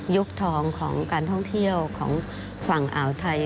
ยกทองของการท่องเที่ยวของฝั่งอ่าวไทย